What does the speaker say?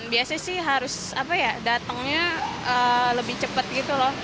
biasanya sih harus datangnya lebih cepat gitu loh